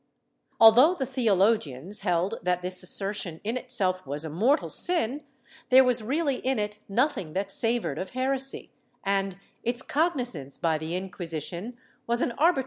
Although the theologians held that this assertion in itself was a mortal sin,^ there was really in it nothing that savored of heresy, and its cognizance by the Inquisition was an arbitrary 1 MSS.